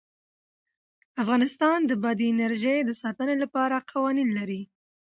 افغانستان د بادي انرژي د ساتنې لپاره قوانین لري.